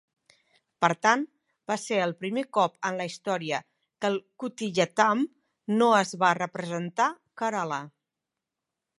Per tant, va ser el primer cop en la història que el Kutiyattam no es va representar Kerala.